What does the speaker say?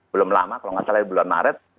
belum lama kalau nggak salah di bulan maret